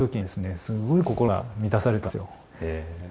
すごい心が満たされたんですよ。